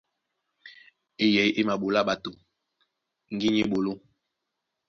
Eyɛy é maɓolá ɓato ŋgínya á eɓoló.